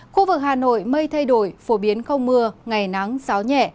khu vực hà nội mây thay đổi phổ biến không mưa ngày nắng gió nhẹ